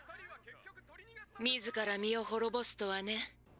自ら身を滅ぼすとはね。